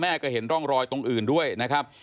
ก็เห็นร่องรอยตรงอื่นด้วยนะครับ